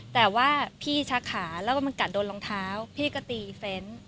แต่ว่าพี่ชักขาแล้วก็มันกัดโดนรองเท้าพี่ก็ตีเฟ้นต์